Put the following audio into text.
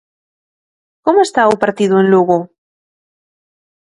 Como está o partido en Lugo?